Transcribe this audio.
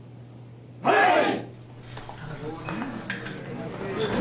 はい！